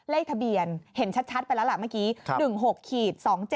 เลขทะเบียนเห็นชัดไปแล้วล่ะเมื่อกี้๑๖๒๗